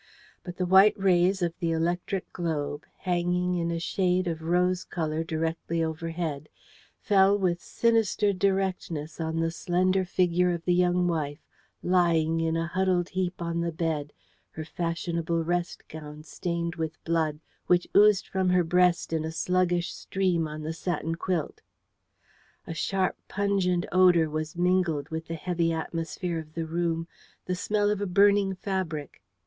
But the white rays of the electric globe, hanging in a shade of rose colour directly overhead, fell with sinister distinctness on the slender figure of the young wife, lying in a huddled heap on the bed, her fashionable rest gown stained with blood, which oozed from her breast in a sluggish stream on the satin quilt. A sharp, pungent odour was mingled with the heavy atmosphere of the room the smell of a burning fabric.